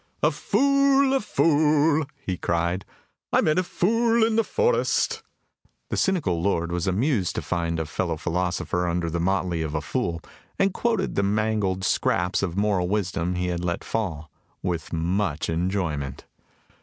"A fool! a fool!" he cried. "I met a fool in the forest!" The cynical lord was amused to find a fellow philosopher under the motley of a fool, and quoted the mangled scraps of moral wisdom he had let fall, with much enjoyment.